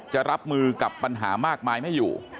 จะรับมือกับปัญหามากมายไม่อยู่